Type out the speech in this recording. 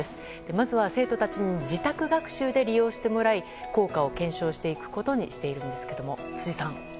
まずは生徒たちに自宅学習で利用してもらい効果を検証していくことにしていますが辻さん。